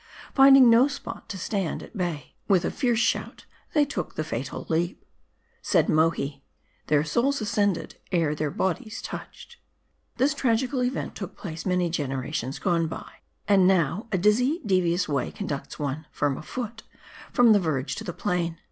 Find ing no spot tb stand at bay, with a fierce shout they took the fatal leap. Said Mohi, " Their souls ascended, ere their bodies touched." This tragical event took place many generations gone by, and now a dizzy, devious way conducts one, firm of foot, from the verge to the plain.